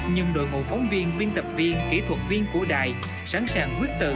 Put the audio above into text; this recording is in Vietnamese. nhưng đội ngũ phóng viên viên tập viên kỹ thuật viên của đài sẵn sàng quyết tự